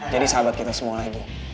jadi sahabat kita semua lagi